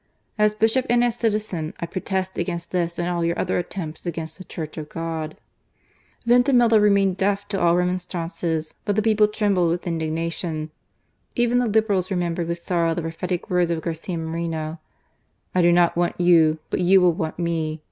... As bishop and as citizen I protest against this, and all your other attempts against the Church of God." VintimiUa remained deaf to all remonstrances, but the people trembled with indignation. Even the Liberals remembered with sorrow the prophetic words of Garcia Moreno :" I do not want you, but you will want me.